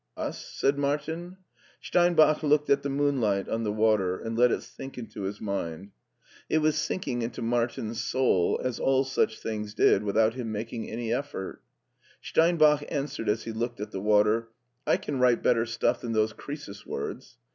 "Us?'' said Martin. Steinbach looked at the moonlight on the water, and let it sink into his mind. It was sinking into Martin's soul, as all such things did without him making any effort. Steinbach answered as he looked at the water, " I can write better stuff than those Croesus words."